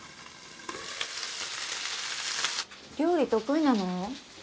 料理得意なの？